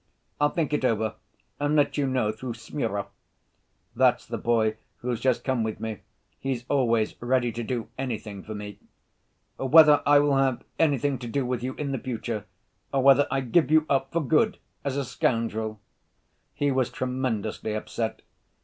I'll think it over and let you know through Smurov'—that's the boy who's just come with me; he's always ready to do anything for me—'whether I will have anything to do with you in the future or whether I give you up for good as a scoundrel.' He was tremendously upset.